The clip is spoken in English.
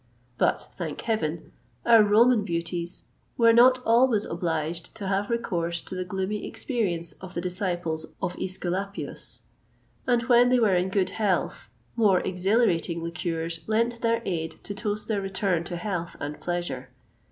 But, thank Heaven! our Roman beauties were not always obliged to have recourse to the gloomy experience of the disciples of Æsculapius; and when they were in good health, more exhilarating liqueurs lent their aid to toast their return to health and pleasure.